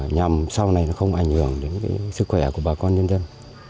nhằm sau này không ảnh hưởng đến sức khỏe của bà con nhân dân